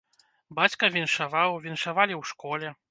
Бацька віншаваў, віншавалі ў школе.